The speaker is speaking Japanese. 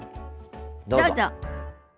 どうぞ。